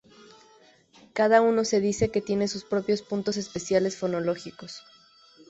Cada uno se dice que tiene sus propios puntos especiales fonológicos.